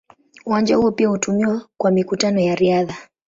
Uwanja huo pia hutumiwa kwa mikutano ya riadha.